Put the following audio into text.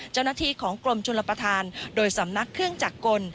เจ้าหน้าที่ของกรมชลประธานโดยสำนักเครื่องจักรกล